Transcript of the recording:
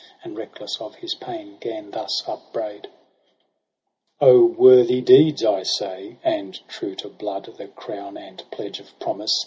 And reckless of his pain gan thus upbraid :' O worthy deeds, I say, and true to blood. The crown and pledge of promise